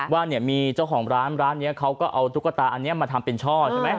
ว่าเนี่ยมีเจ้าของร้านร้านนี้เขาก็เอาตุ๊กตาอันนี้มาทำเป็นช่อใช่ไหม